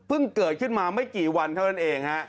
เพิ่งเกิดขึ้นมาไม่กี่วันเข้าทั้งนั้นเอง